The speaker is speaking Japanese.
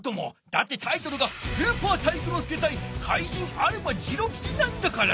だってタイトルが「スーパー体育ノ介ＶＳ怪人アルマ次郎吉」なんだから。